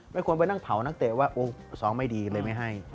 ไม่ควรไปนั่งเผานักเตะว่าสองไม่ดีเลยไม่ให้